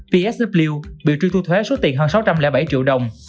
psu bị truy thu thuế số tiền hơn sáu trăm linh bảy triệu đồng